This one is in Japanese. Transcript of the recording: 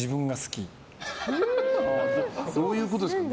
どういうことですか？